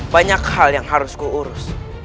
banyak hal yang harus kuurus